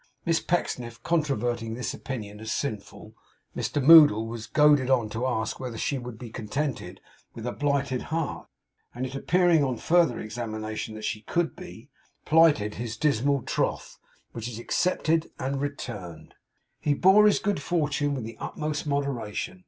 Miss Pecksniff controverting this opinion as sinful, Moddle was goaded on to ask whether she could be contented with a blighted heart; and it appearing on further examination that she could be, plighted his dismal troth, which was accepted and returned. He bore his good fortune with the utmost moderation.